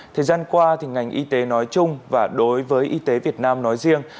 thời gian qua ngành y tế nói chung và đối với y tế việt nam nói riêng